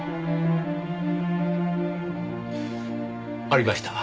ありました。